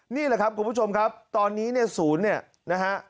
นี่แหละครับคุณผู้ชมครับตอนนี้เนี่ยศูนย์เนี่ยนะฮะ